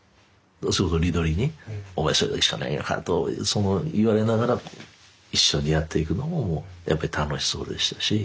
それこそリドリーにお前それだけしかないのかと言われながら一緒にやっていくのもやっぱり楽しそうでしたし。